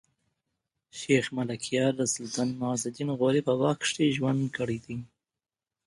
شېخ ملکیار د سلطان معز الدین غوري په وخت کښي ژوند کړی دﺉ.